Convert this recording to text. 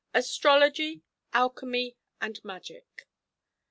ASTROLOGY, ALCHEMY, AND MAGIC.